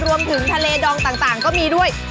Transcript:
รวมถึงทะเลดองต่างก็มีด้วย